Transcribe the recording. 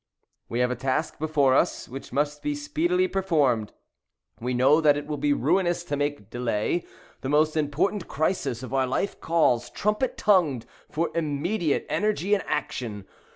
We have a task before us which must be speedily performed. We know that it will be ruinous to make delay. The most important crisis of our life calls, trumpet tongued, for immediate energy and action.